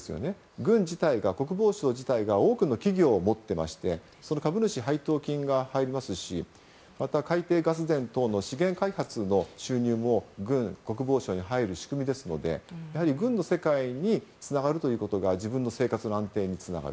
軍自体、国防省自体が多くの企業を持っていましてその株主配当金が入りますしまた、海底ガス田等の資源開発の収入も軍や国防省に入る仕組みですので、やはり軍の世界につながるということが自分の生活の安定につながる。